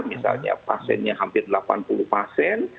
misalnya pasiennya hampir delapan puluh pasien